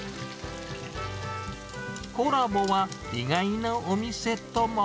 コラボは意外なお店とも。